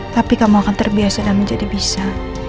tapi kamu akan terbiasa dan menjadi bisa